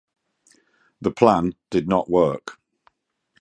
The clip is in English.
The plan did not work.